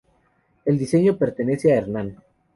El diseño pertenece a Hernán.